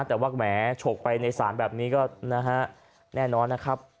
แต่ว่าแหมฉกไปในศาลแบบนี้ก็นะฮะแน่นอนนะครับ